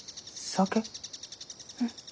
うん。